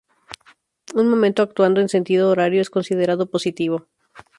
Un momento actuando en sentido horario es considerado positivo.